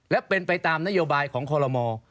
และเป็นไปตามนโยบายของคอลโลม